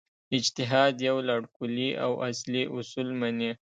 اجتهاد یو لړ کُلي او اصلي اصول مني.